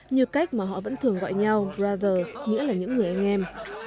như cách mà họ vẫn thường gọi nhau brazer nghĩa là những người anh em